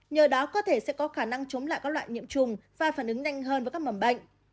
nhờ đó có thể sẽ có khả năng chống lại các loại nhiễm trùng và phản ứng nhanh hơn với các mầm bệnh